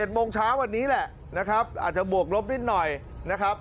โมงเช้าวันนี้แหละนะครับอาจจะบวกลบนิดหน่อยนะครับ